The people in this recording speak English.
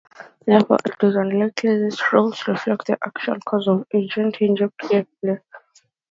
Therefore, it is unlikely these rules reflect the actual course of ancient Egyptian gameplay.